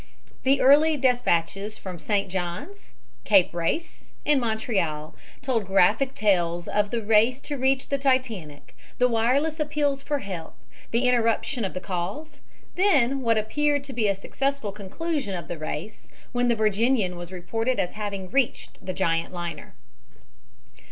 The early despatches from St. John's, Cape Race, and Montreal, told graphic tales of the race to reach the Titanic, the wireless appeals for help, the interruption of the calls, then what appeared to be a successful conclusion of the race when the Virginian was reported as having reached the giant liner.